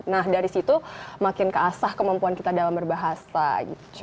nah dari situ makin keasah kemampuan kita dalam berbahasa gitu